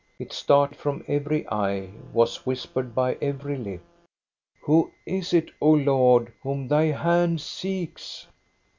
It stared from every eye, was whispered by every lip :" Who is it, O Lord, whom Thy hand seeks?"